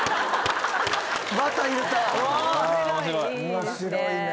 面白いね。